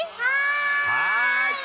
はい！